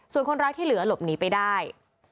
ส่วนคนร้ายที่เหลือหลบหนีไปได้